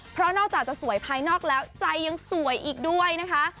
เพราะนอกจากจะสวยภายนอกแล้วใจยังสวยอีกด้วยนะคะ